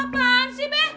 apa apaan sih be